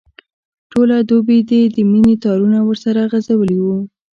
ټوله دوبي دي د مینې تارونه ورسره غځولي وو.